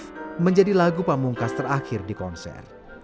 konserto in f menjadi lagu pamungkas terakhir di konser